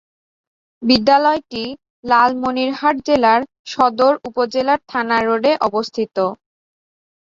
বিদ্যালয়টি লালমনিরহাট জেলার সদর উপজেলার থানা রোডে অবস্থিত।